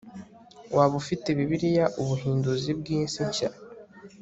waba ufite bibiliya ubuhinduzi bw'isi nshya